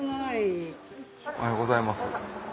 おはようございます。